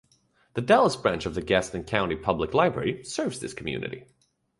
The Dallas Branch of the Gaston County Public Library serves this community.